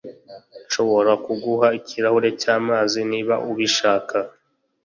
Nshobora kuguha ikirahuri cyamazi niba ubishaka